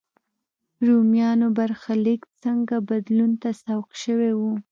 رومیانو برخلیک څنګه بدلون ته سوق شوی و.